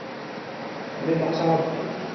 Em ê behsa wan bikin